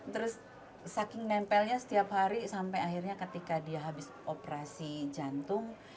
terus saking nempelnya setiap hari sampai akhirnya ketika dia habis operasi jantung